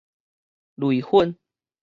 擂粉